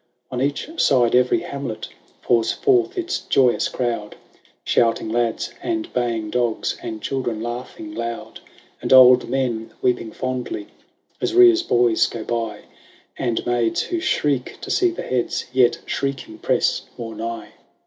On each side every hamlet Pours forth its joyous crowd. Shouting lads and baying dogs. And children laughing loud. And old men weeping fondly As Rhea's boys go by. And maids who shriek to see the heads, Yet, shrieking, press more nigh.